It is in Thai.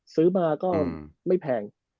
ซื้อมาก็ไม่แพง